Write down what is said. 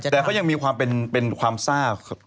ต่าวเขาไม่ได้นอนเขาแซว